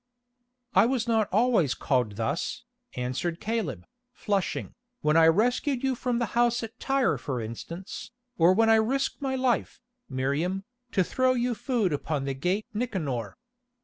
"I was not always called thus," answered Caleb, flushing, "when I rescued you from the house at Tyre for instance, or when I risked my life, Miriam, to throw you food upon the gate Nicanor.